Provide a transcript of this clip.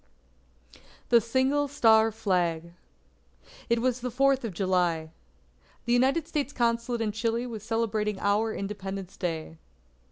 THE SINGLE STAR FLAG It was the Fourth of July. The United States Consulate in Chile was celebrating our Independence Day.